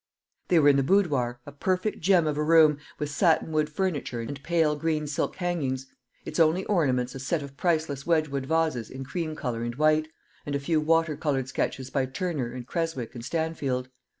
They were in the boudoir, a perfect gem of a room, with satin wood furniture and pale green silk hangings; its only ornaments a set of priceless Wedgwood vases in cream colour and white, and a few water coloured sketches by Turner, and Creswick, and Stanfield.